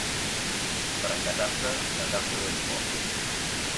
Per engatar-se, engatar-se de vi bo.